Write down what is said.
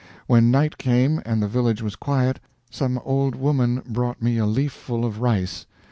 When night came, and the village was quiet, some old woman brought me a leafful of rice.